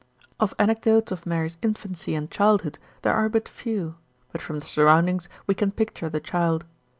Of anecdotes of Mary's infancy and childhood there are but few, but from the surroundings we can picture the child.